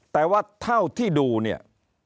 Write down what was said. แต่ว่าเท่าที่ดูเนี่ย